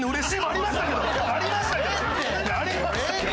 ありましたけど！